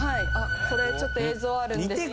これちょっと映像あるんですけど。